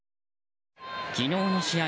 昨日の試合